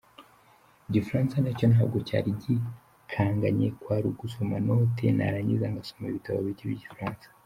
Igifaransa nacyo ntabwo cyari gikanganye kwari ugusoma notes narangiza ngasoma ibitabo bike by’igifaransa.